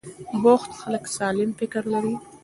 بوخت خلک سالم فکر لري.